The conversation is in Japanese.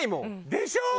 でしょ？